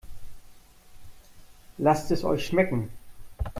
Lasst es euch schmecken!